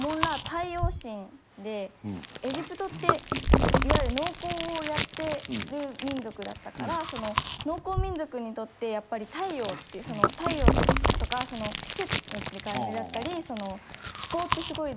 太陽神でエジプトっていわゆる農耕をやってる民族だったから農耕民族にとってやっぱり太陽って太陽とか季節の移り変わりだったり気候ってすごい大事で。